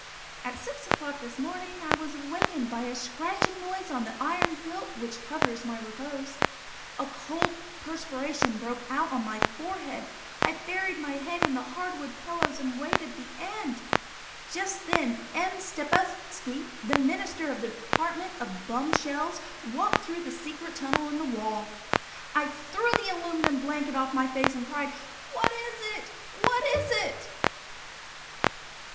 At six o'clock this morning I was awakened by a scratching noise on the iron quilt which covers my repose. A cold perspiration broke out on my forehead. I buried my head in the hardwood pillows and waited the end. Just then M. Stepupski, the Minister of the Department of Bum Shells, walked in through the secret tunnel in the wall. I threw the aluminum blanket off my face and cried: "What is it? What is it?"